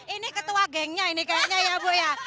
ini ketua gengnya ini kayaknya ya bu ya